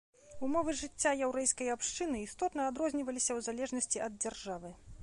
Умовы жыцця яўрэйскай абшчыны істотна адрозніваліся ў залежнасці ад дзяржавы.